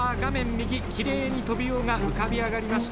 右きれいにトビウオが浮かび上がりました。